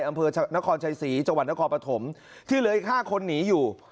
อำเภอนครชัยศรีจังหวัดนครปฐมที่เหลืออีก๕คนหนีอยู่